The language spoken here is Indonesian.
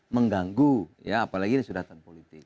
mengganggu ya apalagi sudah tanpa politik